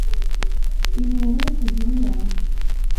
impuhwe tugirirana